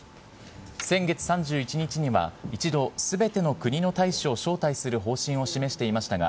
先月３１日には一度、すべての国の大使を招待する方針を示していましたが、